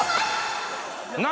何？